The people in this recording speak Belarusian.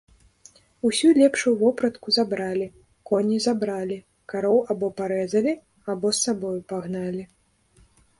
Усю лепшую вопратку забралі, коні забралі, кароў або парэзалі, або з сабою пагналі.